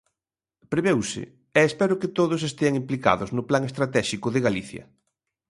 Preveuse, e espero que todos estean implicados no Plan estratéxico de Galicia.